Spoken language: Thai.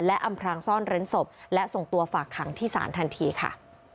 และอำพรางซ่อนเร้นศพและส่งตัวฝากขังที่ศาลทันทีค่ะ